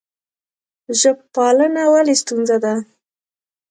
ژب پالنه ولې ستونزه ده؟